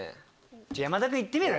じゃあ山田君行ってみる？